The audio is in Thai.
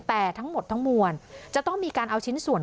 แต่ทั้งหมดทั้งมวลจะต้องมีการเอาชิ้นส่วน